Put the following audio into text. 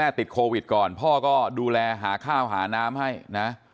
ติดโควิดก่อนพ่อก็ดูแลหาข้าวหาน้ำให้นะ